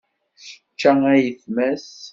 Yečča ayetma-s.